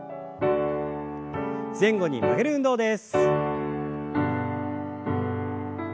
前後に曲げる運動です。